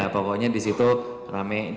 pokoknya disitu rame